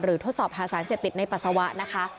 หรือทดสอบภาษาเสียติดในปัสสาวะนะคะ